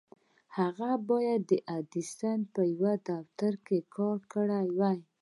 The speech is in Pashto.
هغه بايد د ايډېسن په يوه دفتر کې کار کړی وای.